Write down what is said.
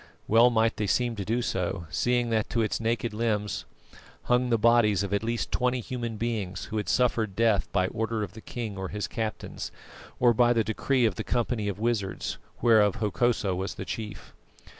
Well might they seem to do so, seeing that to its naked limbs hung the bodies of at least twenty human beings who had suffered death by order of the king or his captains, or by the decree of the company of wizards, whereof Hokosa was the chief.